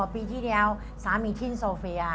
๑๖ปีที่เดียวสามีที่โซเฟียลา